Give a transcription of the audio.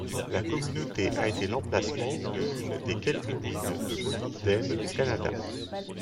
La communauté a été l'emplacement de l'une des quelques mines de molybdène au Canada.